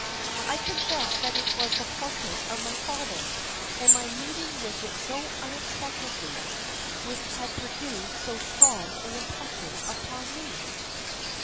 I confessed that it was the portrait of my father, and my meeting with it so unexpectedly, which had produced so strong an impression upon me.